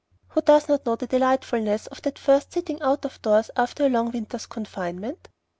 Who does not know the delightfulness of that first sitting out of doors after a long winter's confinement?